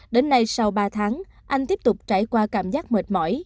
đến nay sau ba tháng anh tiếp tục trải qua cảm giác mệt mỏi